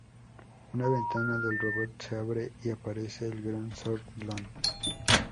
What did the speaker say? Una ventana del robot se abre y aparece el gran zorn, Lon.